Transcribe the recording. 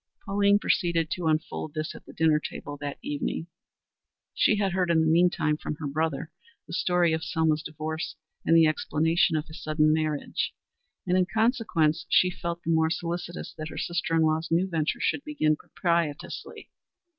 Pauline proceeded to unfold this at the dinner table that evening. She had heard in the meanwhile from her brother, the story of Selma's divorce and the explanation of his sudden marriage; and in consequence, she felt the more solicitous that her sister in law's new venture should begin propitiously.